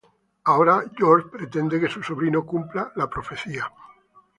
Ahora George pretende que su sobrino cumpla la profecía.